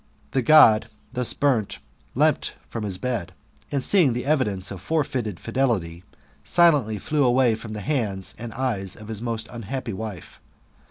The God, thus burnt, leaped from the bed, and seeing the evidence of forrei ted' fidelity, silently flew away from the eyes and hand^ of his most unhappy wife.